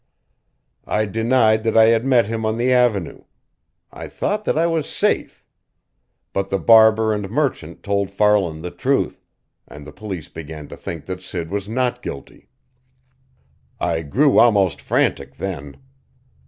I denied that I had met him on the Avenue. I thought that I was safe. But the barber and merchant told Farland the truth, and the police began to think that Sid was not guilty. "I grew almost frantic then.